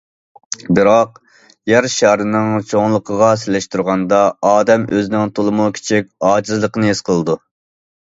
بىراق، يەر شارىنىڭ چوڭلۇقىغا سېلىشتۇرغاندا، ئادەم ئۆزىنىڭ تولىمۇ كىچىك، ئاجىزلىقىنى ھېس قىلىدۇ.